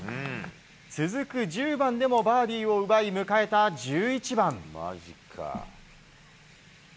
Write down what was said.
続く１０番でもバーディーを奪い迎えた１１番。